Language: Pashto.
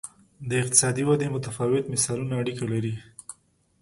د اقتصادي ودې متفاوت مثالونه اړیکه لري.